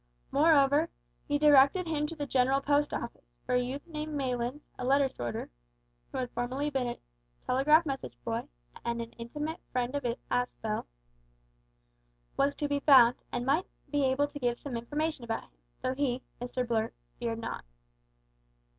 Moreover, he directed him to the General Post Office, where a youth named Maylands, a letter sorter who had formerly been a telegraph message boy, and an intimate friend of Aspel, was to be found, and might be able to give some information about him, though he (Mr Blurt) feared not.